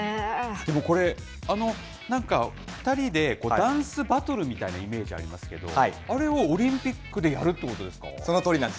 でもこれ、なんか２人でダンスバトルみたいなイメージありますけれども、あれをオリンピックでやそのとおりなんです。